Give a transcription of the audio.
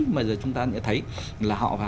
mà giờ chúng ta đã thấy là họ